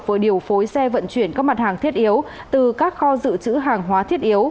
vừa điều phối xe vận chuyển các mặt hàng thiết yếu từ các kho dự trữ hàng hóa thiết yếu